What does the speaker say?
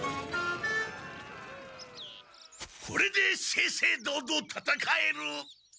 これで正々堂々たたかえる！